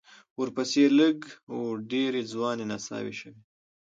ورپسې لږ و ډېرې ځوانې نڅاوې شوې.